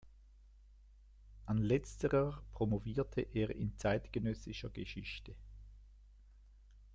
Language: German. An letzterer promovierte er in Zeitgenössischer Geschichte.